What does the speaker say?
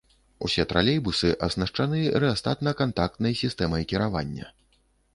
Усе тралейбусы аснашчаны рэастатна-кантактарнай сістэмай кіравання.